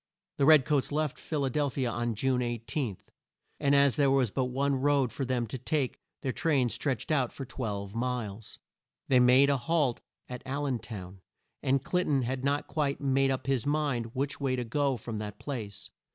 The red coats left Phil a del phi a on June 18, and as there was but one road for them to take, their train stretched out for twelve miles. They made a halt at Al len town, and Clin ton had not quite made up his mind which way to go from that place.